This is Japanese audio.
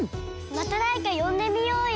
まただれかよんでみようよ！